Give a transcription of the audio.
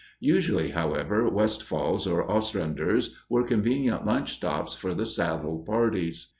Usually, however, Westfall's or Ostrander's were convenient lunch stops for the saddle parties.